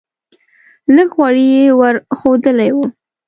لږ غوړي یې ور ښودلی و.